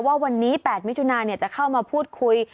ว่าวันนี้๘มิถุนาจะเข้ามาพูดคุย